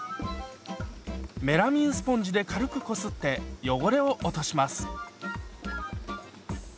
メラミンスポンジで軽くこすって汚れを落とします。